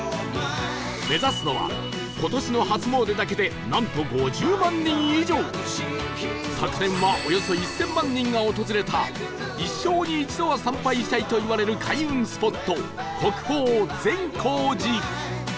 目指すのは今年の初詣だけでなんと５０万人以上昨年はおよそ１０００万人が訪れた一生に一度は参拝したいといわれる開運スポット国宝善光寺